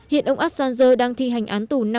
hiện ông assanger đang thi hành án tù